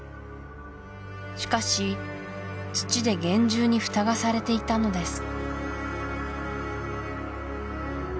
しかし土で厳重に蓋がされていたのです